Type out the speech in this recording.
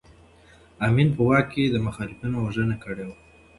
امین په واک کې د مخالفانو وژنه کړې وه.